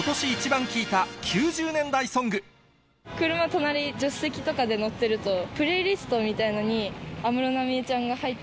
車の隣、助手席とかに乗ってると、プレイリストみたいなのに安室奈美恵ちゃんが入ってて。